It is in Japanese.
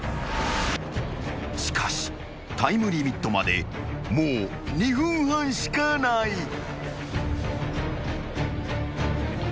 ［しかしタイムリミットまでもう２分半しかない］